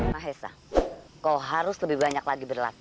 mahesa kau harus lebih banyak lagi berlatih